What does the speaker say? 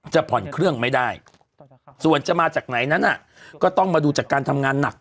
จะผ่อนเครื่องไม่ได้ส่วนจะมาจากไหนนั้นก็ต้องมาดูจากการทำงานหนัก